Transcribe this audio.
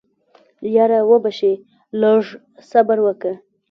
يره وبه شي لږ صبر وکه.